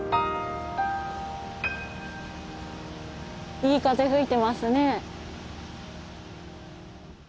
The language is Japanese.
いい風吹いてますね。